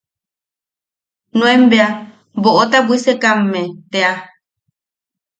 Nuen bea boʼota bwisekamme tea.